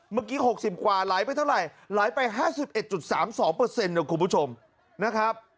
เมื่อกี้๖๐กว่าไหลไปเท่าไหร่ไหลไป๕๑๓๒นะคุณผู้ชมนะครับ